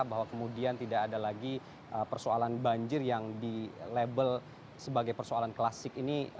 bahwa kemudian tidak ada lagi persoalan banjir yang dilabel sebagai persoalan klasik ini